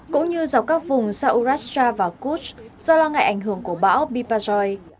cũng như dọc các vùng saudi arabia và kuch do lo ngại ảnh hưởng của bão bipajoy